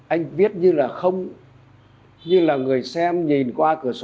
anh viết như là không như là người xem nhìn qua cửa sổ